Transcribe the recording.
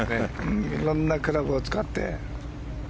色んなクラブを使って。